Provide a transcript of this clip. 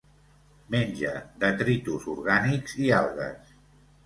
Menja detritus orgànics i algues.